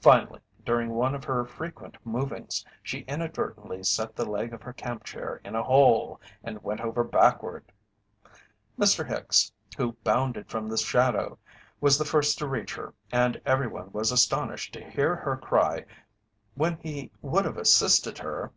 Finally, during one of her frequent movings, she inadvertently set the leg of her camp chair in a hole and went over backward. Mr. Hicks, who bounded from the shadow, was the first to reach her and everyone was astonished to hear her cry, when he would have assisted her.